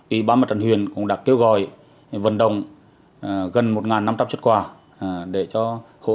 ủy ban mặt trận huyền cũng đã kêu gọi vận động gần một năm trăm linh xuất quà để cho hộ